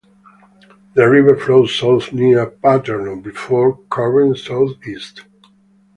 The river flows south near Paterno before curving southeast.